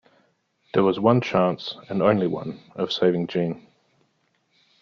There was one chance, and only one, of saving Jeanne.